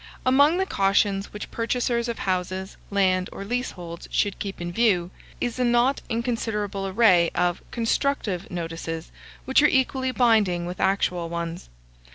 Among the cautions which purchasers of houses, land, or leaseholds, should keep in view, is a not inconsiderable array of constructive notices, which are equally binding with actual ones.